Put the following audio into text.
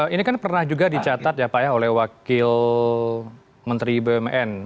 ini kan pernah juga dicatat ya pak ya oleh wakil menteri bumn